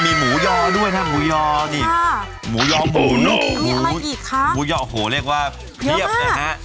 มีหมูยอด้วยนะหมูยอหมูยอหมูยอโหเรียกว่าเพียบนะฮะ